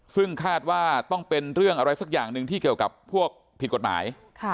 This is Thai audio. ซึ่งคาดว่าต้องเป็นเรื่องอะไรสักอย่างหนึ่งที่เกี่ยวกับพวกผิดกฎหมาย